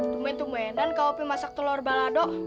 tumen tumenan kak ope masak telur balado